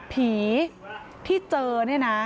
ผีที่เจอเนี่ยนะ